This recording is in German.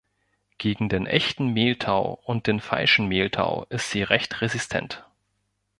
Gegen den Echten Mehltau und den Falschen Mehltau ist sie recht resistent.